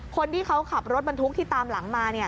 คนที่เขาขับรถบรรทุกที่ตามหลังมา